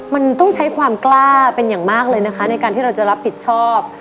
มันต้องใช้ความกล้าเป็นอย่างมากเลยนะคะในการที่เราจะรับผิดชอบ